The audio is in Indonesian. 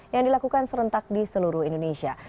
yang dilakukan serentak di seluruh indonesia